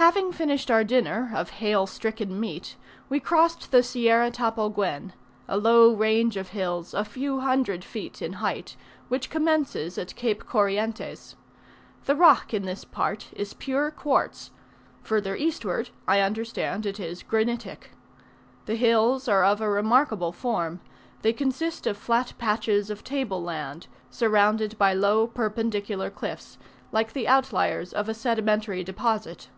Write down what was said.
Having finished our dinner, of hail stricken meat, we crossed the Sierra Tapalguen; a low range of hills, a few hundred feet in height, which commences at Cape Corrientes. The rock in this part is pure quartz; further eastward I understand it is granitic. The hills are of a remarkable form; they consist of flat patches of table land, surrounded by low perpendicular cliffs, like the outliers of a sedimentary deposit.